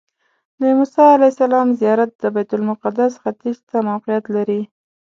د موسی علیه السلام زیارت د بیت المقدس ختیځ ته موقعیت لري.